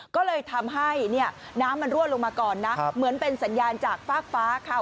ก็เลยทำให้เนี่ยน้ำมันรั่วลงมาก่อนนะเหมือนเป็นสัญญาณจากฟากฟ้าค่ะ